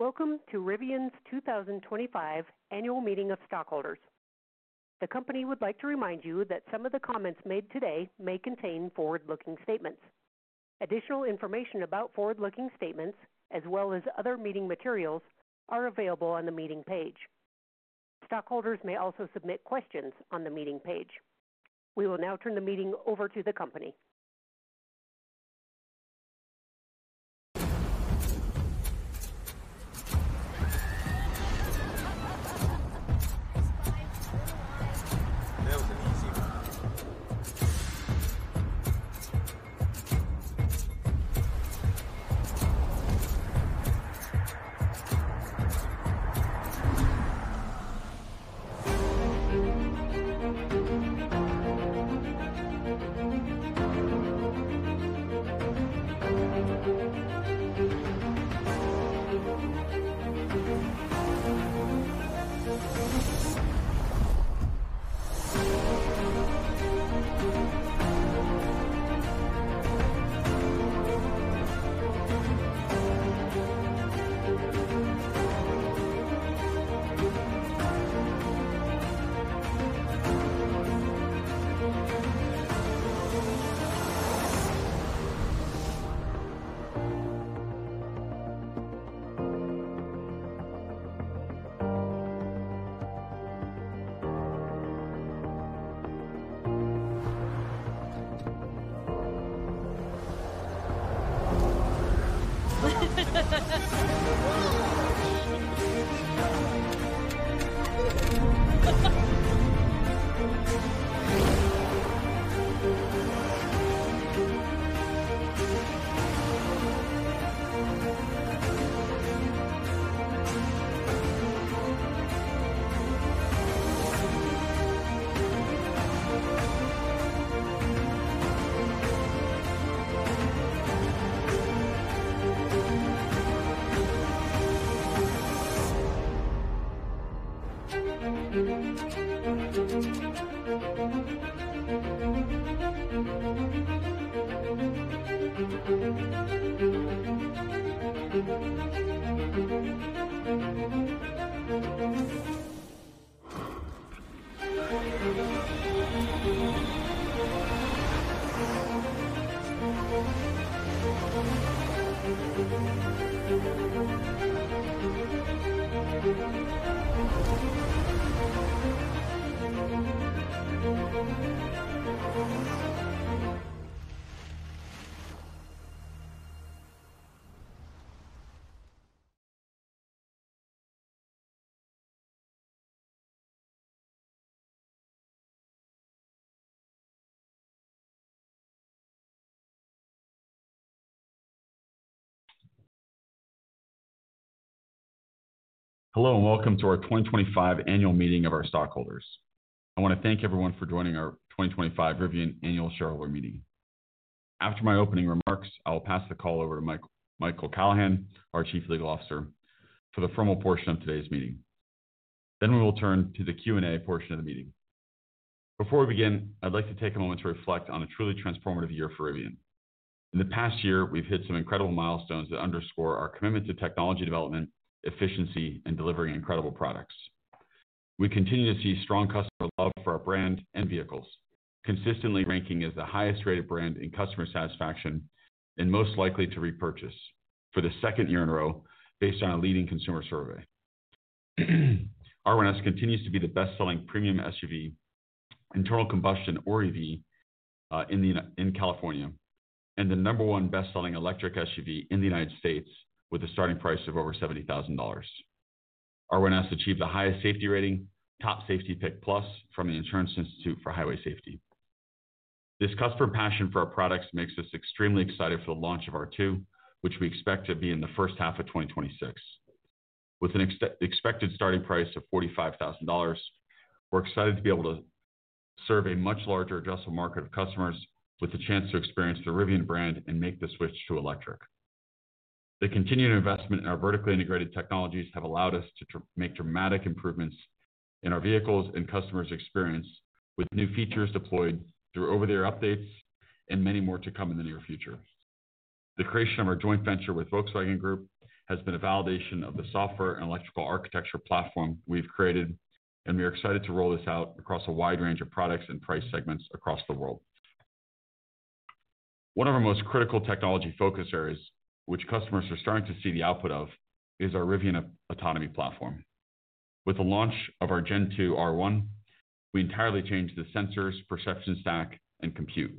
Welcome to Rivian's 2025 Annual Meeting of Stockholders. The company would like to remind you that some of the comments made today may contain forward-looking statements. Additional information about forward-looking statements, as well as other meeting materials, is available on the meeting page. Stockholders may also submit questions on the meeting page. We will now turn the meeting over to the company. Hello, and welcome to our 2025 Annual Meeting of our Stockholders. I want to thank everyone for joining our 2025 Rivian Annual Shareholder Meeting. After my opening remarks, I will pass the call over to Michael Callahan, our Chief Legal Officer, for the formal portion of today's meeting. After that, we will turn to the Q and A portion of the meeting. Before we begin, I'd like to take a moment to reflect on a truly transformative year for Rivian. In the past year, we've hit some incredible milestones that underscore our commitment to technology development, efficiency, and delivering incredible products. We continue to see strong customer love for our brand and vehicles, consistently ranking as the highest-rated brand in customer satisfaction and most likely to repurchase for the second year in a row, based on a leading consumer survey. R1S continues to be the best-selling premium SUV, internal combustion or EV in California, and the number one best-selling electric SUV in the United States, with a starting price of over $70,000. R1S achieved the highest safety rating, Top Safety Pick Plus, from the Insurance Institute for Highway Safety. This customer passion for our products makes us extremely excited for the launch of R2, which we expect to be in the first half of 2026. With an expected starting price of $45,000, we're excited to be able to serve a much larger addressable market of customers with the chance to experience the Rivian brand and make the switch to electric. The continued investment in our vertically integrated technologies has allowed us to make dramatic improvements in our vehicles and customers' experience, with new features deployed through over-the-air updates and many more to come in the near future. The creation of our joint venture with Volkswagen Group has been a validation of the software and electrical architecture platform we've created, and we are excited to roll this out across a wide range of products and price segments across the world. One of our most critical technology focus areas, which customers are starting to see the output of, is our Rivian Autonomy Platform. With the launch of our Gen2 R1, we entirely changed the sensors, perception stack, and compute.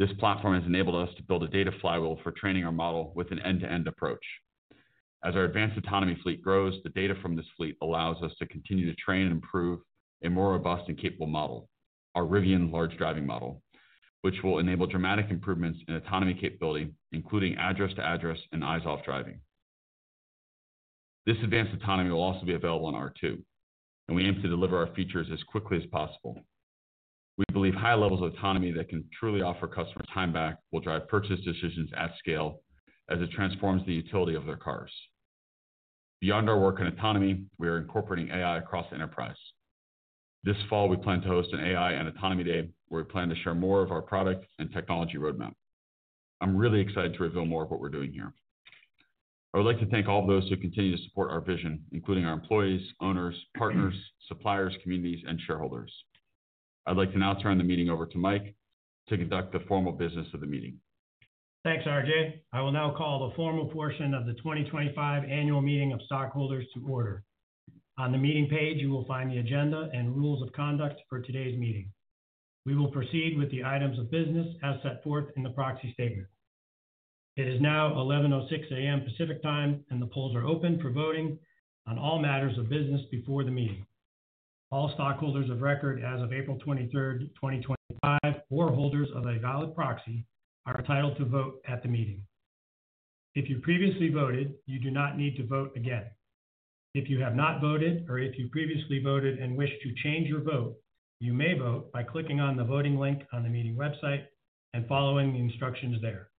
This platform has enabled us to build a data flywheel for training our model with an end-to-end approach. As our advanced autonomy fleet grows, the data from this fleet allows us to continue to train and improve a more robust and capable model, our Rivian Large Driving Model, which will enable dramatic improvements in autonomy capability, including address-to-address and eyes-off driving. This advanced autonomy will also be available on R2, and we aim to deliver our features as quickly as possible. We believe high levels of autonomy that can truly offer customers time back will drive purchase decisions at scale, as it transforms the utility of their cars. Beyond our work in autonomy, we are incorporating AI across the enterprise. This fall, we plan to host an AI and Autonomy Day, where we plan to share more of our product and technology roadmap. I'm really excited to reveal more of what we're doing here. I would like to thank all of those who continue to support our vision, including our employees, owners, partners, suppliers, communities, and shareholders. I'd like to now turn the meeting over to Mike to conduct the formal business of the meeting. Thanks, RJ. I will now call the formal portion of the 2025 Annual Meeting of Stockholders to order. On the meeting page, you will find the agenda and rules of conduct for today's meeting. We will proceed with the items of business as set forth in the proxy statement. It is now 11:06 A.M. Pacific Time, and the polls are open for voting on all matters of business before the meeting. All stockholders of record as of April 23, 2025, or holders of a valid proxy are entitled to vote at the meeting. If you previously voted, you do not need to vote again. If you have not voted, or if you previously voted and wish to change your vote, you may vote by clicking on the voting link on the meeting website and following the instructions there.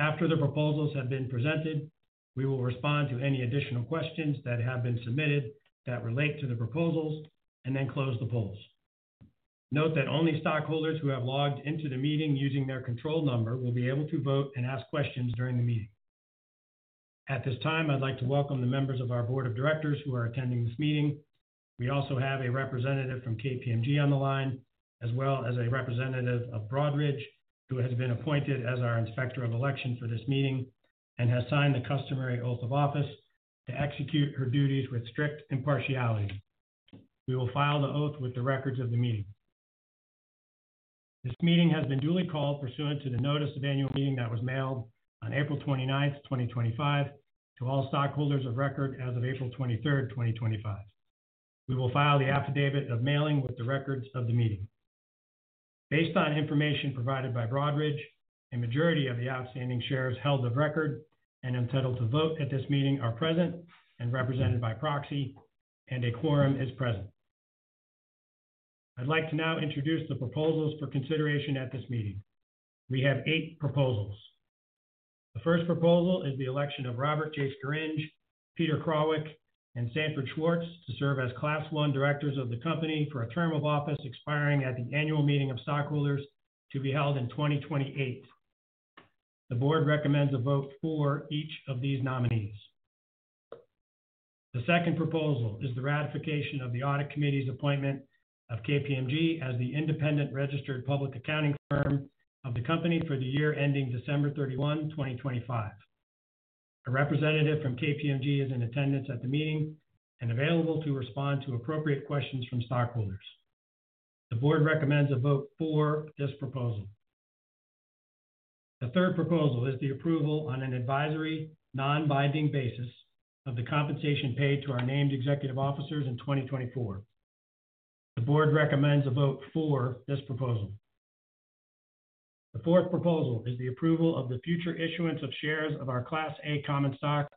After the proposals have been presented, we will respond to any additional questions that have been submitted that relate to the proposals and then close the polls. Note that only stockholders who have logged into the meeting using their control number will be able to vote and ask questions during the meeting. At this time, I'd like to welcome the members of our Board of Directors who are attending this meeting. We also have a representative from KPMG on the line, as well as a representative of Broadridge, who has been appointed as our Inspector of Election for this meeting and has signed the customary oath of office to execute her duties with strict impartiality. We will file the oath with the records of the meeting. This meeting has been duly called pursuant to the notice of annual meeting that was mailed on April 29, 2025, to all stockholders of record as of April 23, 2025. We will file the affidavit of mailing with the records of the meeting. Based on information provided by Broadridge, a majority of the outstanding shares held of record and entitled to vote at this meeting are present and represented by proxy, and a quorum is present. I'd like to now introduce the proposals for consideration at this meeting. We have eight proposals. The first proposal is the election of Robert J. Scaringe, Peter Krawiec, and Sanford Schwartz to serve as Class 1 directors of the company for a term of office expiring at the annual meeting of stockholders to be held in 2028. The board recommends a vote for each of these nominees. The second proposal is the ratification of the audit committee's appointment of KPMG as the independent registered public accounting firm of the company for the year ending December 31, 2025. A representative from KPMG is in attendance at the meeting and available to respond to appropriate questions from stockholders. The board recommends a vote for this proposal. The third proposal is the approval on an advisory non-binding basis of the compensation paid to our named executive officers in 2024. The board recommends a vote for this proposal. The fourth proposal is the approval of the future issuance of shares of our Class A common stock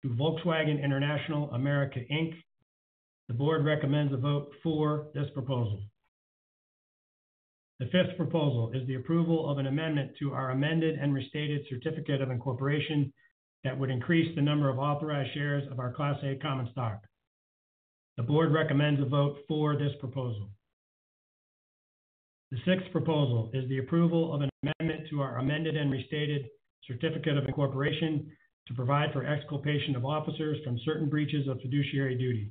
to Volkswagen International America Inc. The board recommends a vote for this proposal. The fifth proposal is the approval of an amendment to our amended and restated certificate of incorporation that would increase the number of authorized shares of our Class A common stock. The board recommends a vote for this proposal. The sixth proposal is the approval of an amendment to our amended and restated certificate of incorporation to provide for exculpation of officers from certain breaches of fiduciary duty.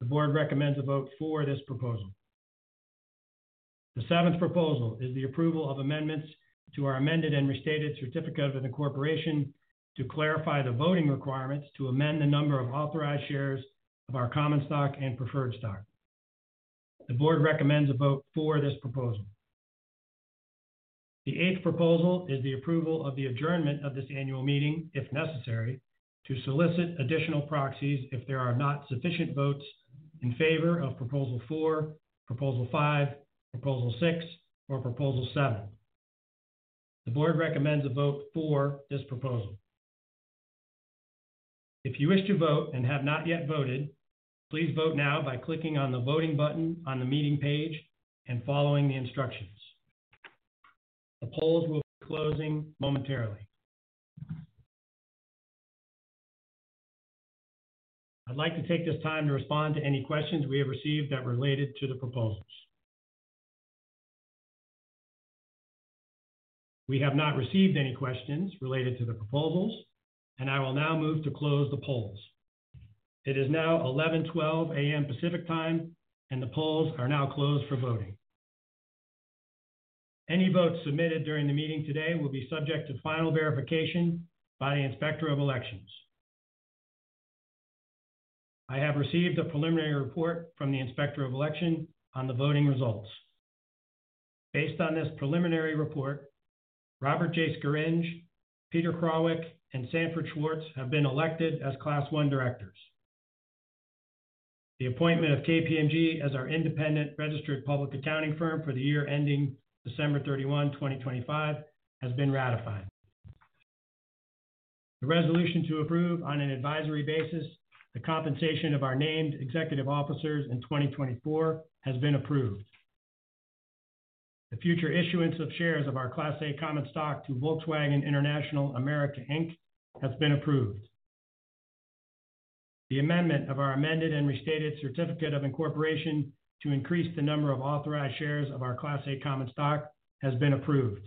The board recommends a vote for this proposal. The seventh proposal is the approval of amendments to our amended and restated certificate of incorporation to clarify the voting requirements to amend the number of authorized shares of our common stock and preferred stock. The board recommends a vote for this proposal. The eighth proposal is the approval of the adjournment of this annual meeting, if necessary, to solicit additional proxies if there are not sufficient votes in favor of Proposal 4, Proposal 5, Proposal 6, or Proposal 7. The board recommends a vote for this proposal. If you wish to vote and have not yet voted, please vote now by clicking on the voting button on the meeting page and following the instructions. The polls will be closing momentarily. I'd like to take this time to respond to any questions we have received that related to the proposals. We have not received any questions related to the proposals, and I will now move to close the polls. It is now 11:12 A.M. Pacific Time, and the polls are now closed for voting. Any votes submitted during the meeting today will be subject to final verification by the Inspector of Election. I have received a preliminary report from the Inspector of Election on the voting results. Based on this preliminary report, Robert J. Scaringe, Peter Krawiec, and Sanford Schwartz have been elected as Class 1 directors. The appointment of KPMG as our independent registered public accounting firm for the year ending December 31, 2025, has been ratified. The resolution to approve on an advisory basis the compensation of our named executive officers in 2024 has been approved. The future issuance of shares of our Class A common stock to Volkswagen International America Inc. has been approved. The amendment of our amended and restated certificate of incorporation to increase the number of authorized shares of our Class A common stock has been approved.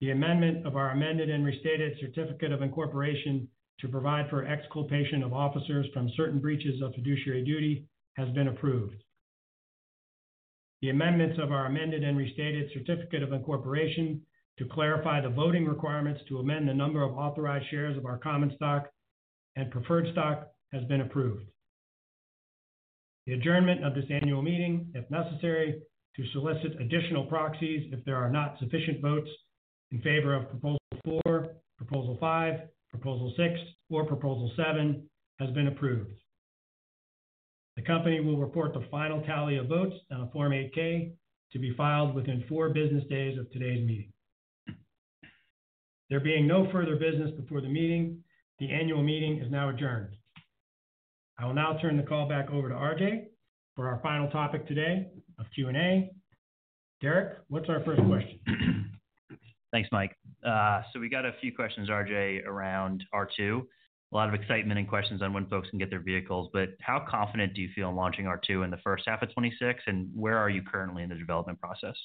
The amendment of our amended and restated certificate of incorporation to provide for exculpation of officers from certain breaches of fiduciary duty has been approved. The amendments of our amended and restated certificate of incorporation to clarify the voting requirements to amend the number of authorized shares of our common stock and preferred stock has been approved. The adjournment of this annual meeting, if necessary, to solicit additional proxies if there are not sufficient votes in favor of Proposal 4, Proposal 5, Proposal 6, or Proposal 7 has been approved. The company will report the final tally of votes on a Form 8-K to be filed within four business days of today's meeting. There being no further business before the meeting, the annual meeting is now adjourned. I will now turn the call back over to RJ for our final topic today of Q and A. Derek, what's our first question? Thanks, Mike. We got a few questions, RJ, around R2. A lot of excitement and questions on when folks can get their vehicles. How confident do you feel in launching R2 in the first half of 2026, and where are you currently in the development process?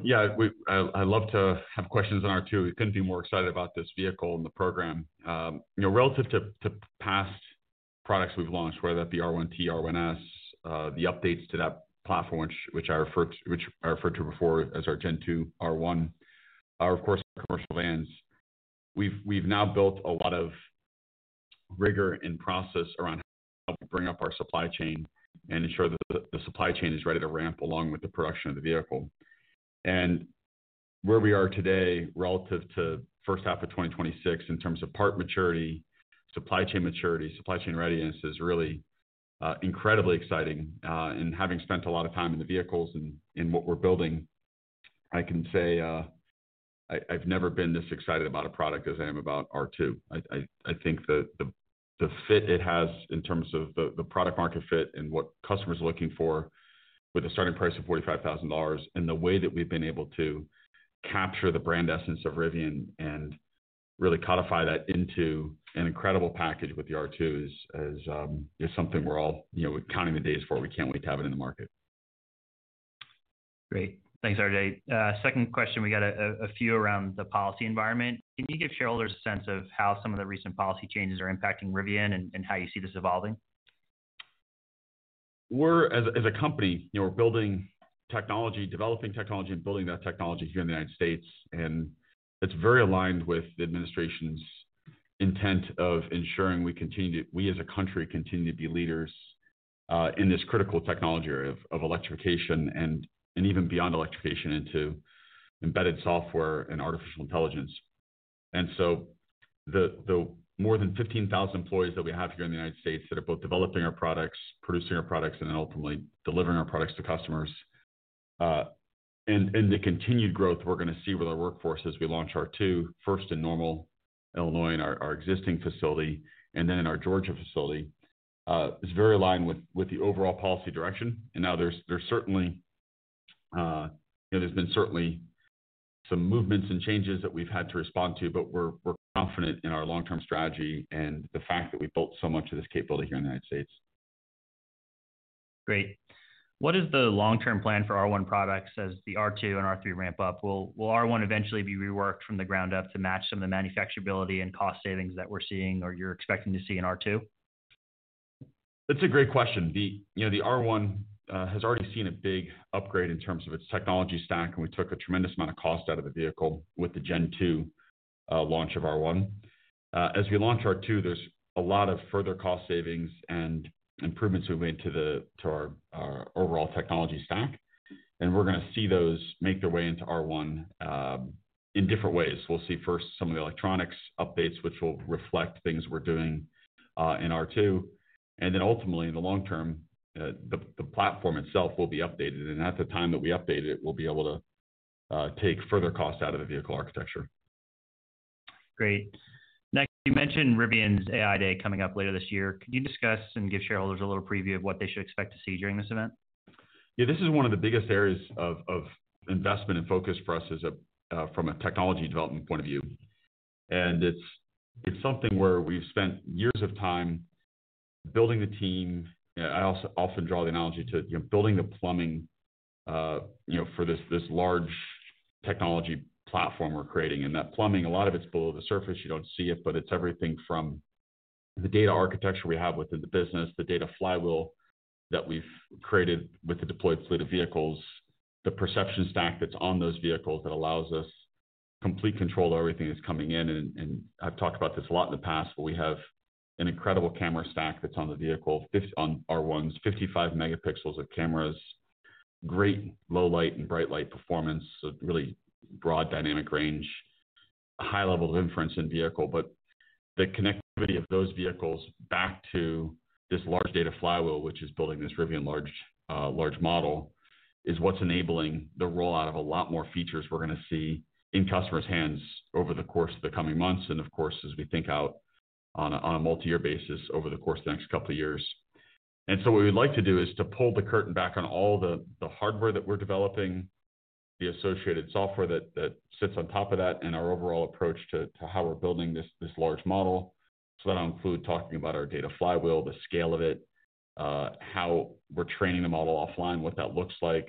Yeah, I'd love to have questions on R2. We couldn't be more excited about this vehicle and the program. Relative to past products we've launched, whether that be R1T, R1S, the updates to that platform, which I referred to before as our Gen2 R1, or of course, our commercial vans, we've now built a lot of rigor and process around how we bring up our supply chain and ensure that the supply chain is ready to ramp along with the production of the vehicle. Where we are today relative to the first half of 2026, in terms of part maturity, supply chain maturity, supply chain readiness, is really incredibly exciting. Having spent a lot of time in the vehicles and in what we're building, I can say I've never been this excited about a product as I am about R2. I think the fit it has in terms of the product-market fit and what customers are looking for, with a starting price of $45,000, and the way that we've been able to capture the brand essence of Rivian and really codify that into an incredible package with the R2 is something we're all counting the days for. We can't wait to have it in the market. Great. Thanks, RJ. Second question, we got a few around the policy environment. Can you give shareholders a sense of how some of the recent policy changes are impacting Rivian and how you see this evolving? As a company, we're building technology, developing technology, and building that technology here in the United States. It's very aligned with the administration's intent of ensuring we as a country continue to be leaders in this critical technology area of electrification and even beyond electrification into embedded software and artificial intelligence. The more than 15,000 employees that we have here in the United States are both developing our products, producing our products, and then ultimately delivering our products to customers. The continued growth we're going to see with our workforce as we launch R2, first in Normal, Illinois in our existing facility, and then in our Georgia facility, is very aligned with the overall policy direction. There have certainly been some movements and changes that we've had to respond to, but we're confident in our long-term strategy and the fact that we built so much of this capability here in the United States. Great. What is the long-term plan for R1 products as the R2 and R3 ramp up? Will R1 eventually be reworked from the ground up to match some of the manufacturability and cost savings that we're seeing or you're expecting to see in R2? That's a great question. The R1 has already seen a big upgrade in terms of its technology stack, and we took a tremendous amount of cost out of the vehicle with the Gen2 launch of R1. As we launch R2, there's a lot of further cost savings and improvements we've made to our overall technology stack. We're going to see those make their way into R1 in different ways. We'll see first some of the electronics updates, which will reflect things we're doing in R2. Ultimately, in the long term, the platform itself will be updated. At the time that we update it, we'll be able to take further costs out of the vehicle architecture. Great. Next, you mentioned Rivian's AI Day coming up later this year. Could you discuss and give shareholders a little preview of what they should expect to see during this event? Yeah, this is one of the biggest areas of investment and focus for us from a technology development point of view. It's something where we've spent years of time building the team. I also often draw the analogy to building the plumbing for this large technology platform we're creating. That plumbing, a lot of it's below the surface. You don't see it, but it's everything from the data architecture we have within the business, the data flywheel that we've created with the deployed fleet of vehicles, the perception stack that's on those vehicles that allows us complete control of everything that's coming in. I've talked about this a lot in the past, but we have an incredible camera stack that's on the vehicle on R1s, 55 megapixels of cameras, great low light and bright light performance, really broad dynamic range, high level of inference in vehicle. The connectivity of those vehicles back to this large data flywheel, which is building this Rivian Large Driving Model, is what's enabling the rollout of a lot more features we're going to see in customers' hands over the course of the coming months and, of course, as we think out on a multi-year basis over the course of the next couple of years. What we'd like to do is to pull the curtain back on all the hardware that we're developing, the associated software that sits on top of that, and our overall approach to how we're building this large model. That'll include talking about our data flywheel, the scale of it, how we're training the model offline, what that looks like.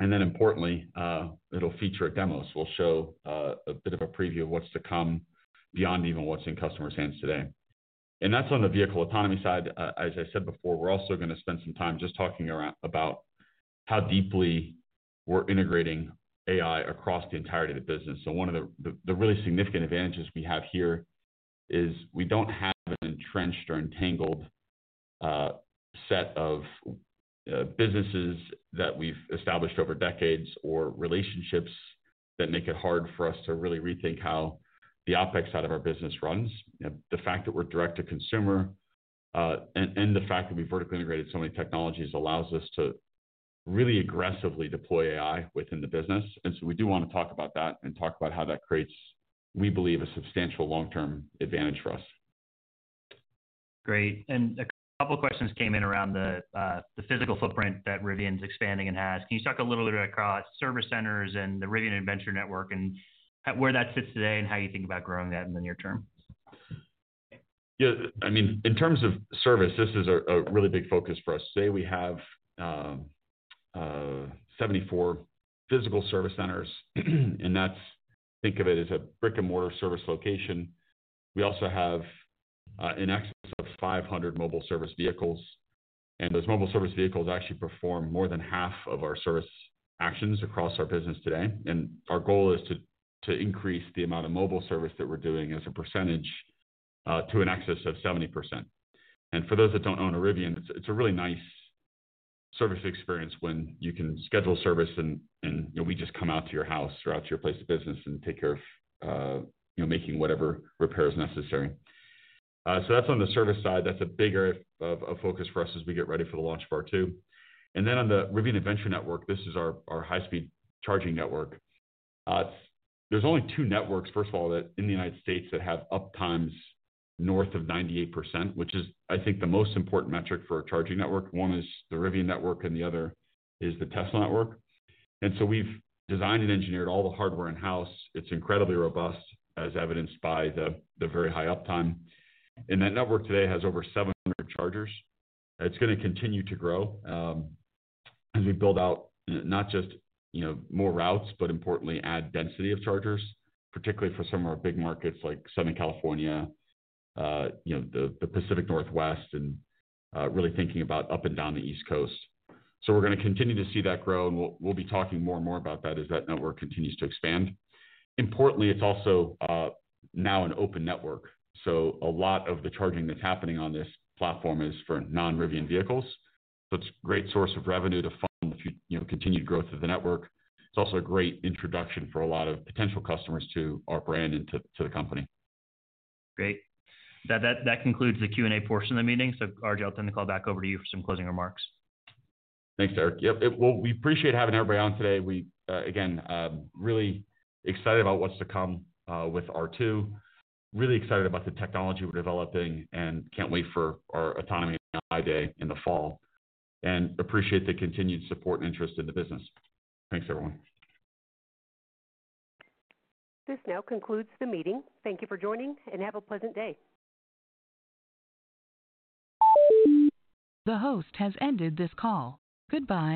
Importantly, it'll feature a demo. We'll show a bit of a preview of what's to come beyond even what's in customers' hands today. That's on the vehicle autonomy side. As I said before, we're also going to spend some time just talking about how deeply we're integrating AI across the entirety of the business. One of the really significant advantages we have here is we don't have an entrenched or entangled set of businesses that we've established over decades or relationships that make it hard for us to really rethink how the OpEx side of our business runs. The fact that we're direct-to-consumer and the fact that we've vertically integrated so many technologies allows us to really aggressively deploy AI within the business. We do want to talk about that and talk about how that creates, we believe, a substantial long-term advantage for us. Great. A couple of questions came in around the physical footprint that Rivian's expanding and has. Can you talk a little bit across service centers and the Rivian Adventure Network and where that sits today and how you think about growing that in the near term? Yeah. I mean, in terms of service, this is a really big focus for us. Today, we have 74 physical service centers, and that's, think of it as a brick-and-mortar service location. We also have an excess of 500 mobile service vehicles. Those mobile service vehicles actually perform more than half of our service actions across our business today. Our goal is to increase the amount of mobile service that we're doing as a percentage to an excess of 70%. For those that don't own a Rivian, it's a really nice service experience when you can schedule service and we just come out to your house or out to your place of business and take care of making whatever repair is necessary. That's on the service side. That's a big area of focus for us as we get ready for the launch of R2. On the Rivian Adventure Network, this is our high-speed charging network. There are only two networks, first of all, in the United States that have uptimes north of 98%, which is, I think, the most important metric for a charging network. One is the Rivian Network and the other is the Tesla Network. We have designed and engineered all the hardware in-house. It is incredibly robust, as evidenced by the very high uptime. That network today has over 700 chargers. It is going to continue to grow as we build out not just more routes, but importantly, add density of chargers, particularly for some of our big markets like Southern California, the Pacific Northwest, and really thinking about up and down the East Coast. We are going to continue to see that grow, and we will be talking more and more about that as that network continues to expand. Importantly, it's also now an open network. A lot of the charging that's happening on this platform is for non-Rivian vehicles. It's a great source of revenue to fund the continued growth of the network. It's also a great introduction for a lot of potential customers to our brand and to the company. Great. That concludes the Q and A portion of the meeting. RJ, I'll turn the call back over to you for some closing remarks. Thanks, Derek. Yep. We appreciate having everybody on today. Again, really excited about what's to come with R2, really excited about the technology we're developing, and can't wait for our autonomy AI Day in the fall. Appreciate the continued support and interest in the business. Thanks, everyone. This now concludes the meeting. Thank you for joining, and have a pleasant day. The host has ended this call. Goodbye.